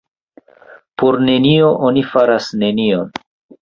Por nenio oni faras nenion.